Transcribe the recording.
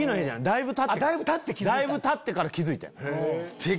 だいぶたってから気付いてん。